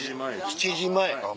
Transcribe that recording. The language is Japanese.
７時前。